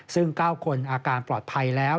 ซึ่ง๙คนอาการปลอดภัยแล้ว